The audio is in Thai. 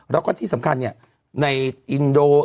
แล้วก็ที่สำคัญในอินโด